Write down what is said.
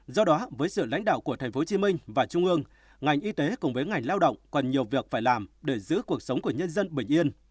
do đó với sự lãnh đạo của thành phố hồ chí minh và trung ương ngành y tế cùng với ngành lao động còn nhiều việc phải làm để giữ cuộc sống của nhân dân bình yên